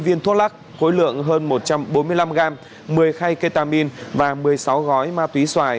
cần bàn bạc có lắc khối lượng hơn một trăm bốn mươi năm gram một mươi khay ketamin và một mươi sáu gói ma túy xoài